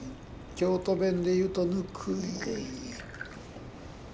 京都弁で言うと「ぬくい」。